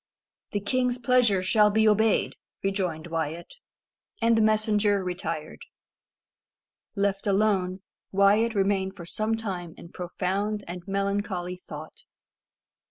"The king's pleasure shall be obeyed," rejoined Wyat. And the messenger retired. Left alone, Wyat remained for some time in profound and melancholy thought.